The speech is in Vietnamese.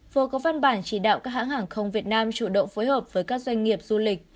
vừa có văn bản chỉ đạo các hãng hàng không việt nam chủ động phối hợp với các doanh nghiệp du lịch